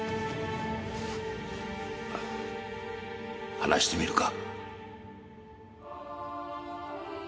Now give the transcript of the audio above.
話してみるか？